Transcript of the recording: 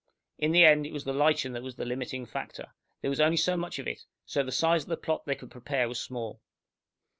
In the end, it was the lichen that was the limiting factor. There was only so much of it, so the size of the plot that they could prepare was small.